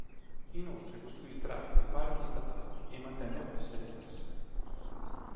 Inoltre costruì strade e parchi statali e mantenne basse le tasse.